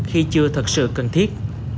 khi chưa thật sự cần thiết